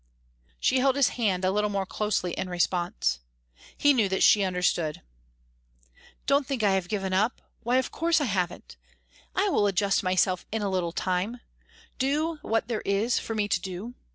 She held his hand a little more closely in response. He knew that she understood. "Don't think I have given up why of course I haven't. I will adjust myself in a little time do what there is for me to do.